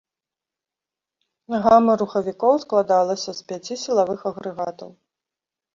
Гама рухавікоў складалася з пяці сілавых агрэгатаў.